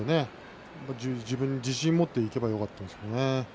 自信を持っていけばよかったですよね。